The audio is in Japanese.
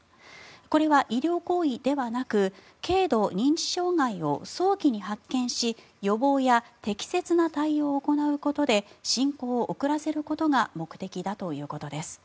これは医療行為ではなく軽度認知障害を早期に発見し予防や適切な対応を行うことで進行を遅らせることが目的だということです。